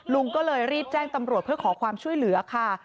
ลุงก็เลยรีบแจ้งตำรวจเพื่อขอความช่วยเหลือค่ะ